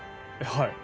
はい。